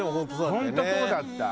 本当そうだった。